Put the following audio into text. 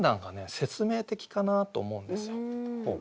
説明的かなと思うんですよ。